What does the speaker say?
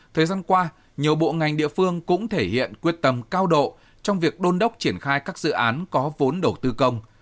thời gian qua nhiều bộ ngành địa phương cũng thể hiện quyết tâm cao độ trong việc đôn đốc triển khai các dự án có vốn đầu tư công